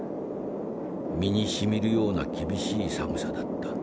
身にしみるような厳しい寒さだった。